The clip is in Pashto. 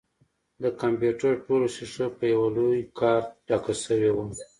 د کمپيوټر ټوله ښيښه په يوه لوى کارت ډکه سوې وه.